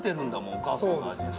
お母さんの味に。